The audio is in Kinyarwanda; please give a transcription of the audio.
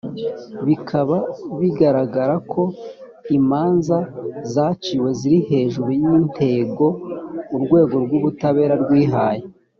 bikaba bigaragara ko imanza zaciwe ziri hejuru y’intego urwego rw’ubutabera rwihaye